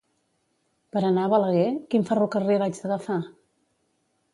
Per anar a Balaguer, quin ferrocarril haig d'agafar?